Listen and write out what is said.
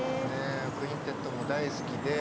「クインテット」も大好きで、